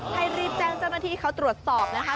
ให้รีบแจ้งเจ้าหน้าที่เขาตรวจสอบนะคะ